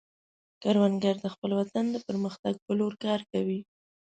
کروندګر د خپل وطن د پرمختګ په لور کار کوي